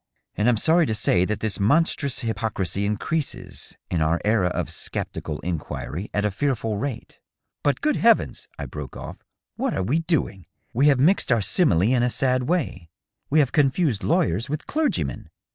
And I'm sorry to say that this monstrous hypocrisy increases, in our era of sceptical inquiry, at a fearful rate. .. But good heavens !" I broke off, " what are we doing ? We have mixed our simile in a sad way ; we have confused lawyers with clergymen.